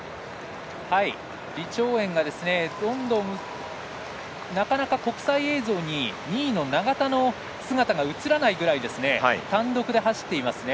李朝燕がなかなか、国際映像に２位の永田の姿が映らないぐらい単独で走っていますね。